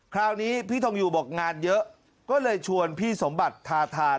คราวนี้พี่ทองอยู่บอกงานเยอะก็เลยชวนพี่สมบัติทาธาน